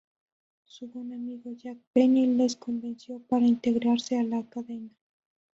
Su buen amigo Jack Benny les convenció para integrarse en la cadena.